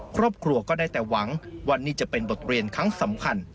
ครอบครัวก็ได้แต่หวังว่านี่จะเป็นบทเรียนครั้งสำคัญ